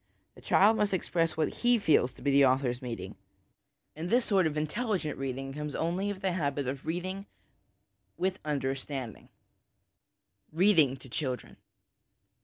The child must express what he feels to be the author's meaning ; and this sort of intelli 228 HOME EDUCATION gent reading comes only of the habit of reading with understanding Reading to Children.